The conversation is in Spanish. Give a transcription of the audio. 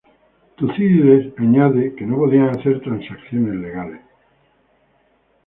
Tucídides añade que no podían hacer transacciones legales.